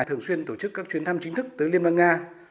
thường xuyên tổ chức các chuyến thăm chính thức tới liên bang nga